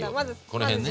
この辺ね。